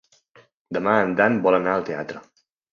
Demà en Dan vol anar al teatre.